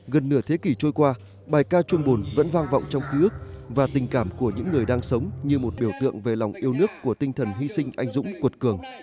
gần nửa thế kỷ trôi qua bài ca trôn bùn vẫn vang vọng trong ký ức và tình cảm của những người đang sống như một biểu tượng về lòng yêu nước của tinh thần hy sinh anh dũng quật cường